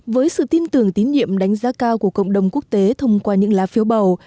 với sự tin tưởng tín nhiệm đánh giá cao của cộng đồng quốc tế thông qua những lá phiếu bầu